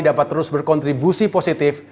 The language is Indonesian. dapat terus berkontribusi positif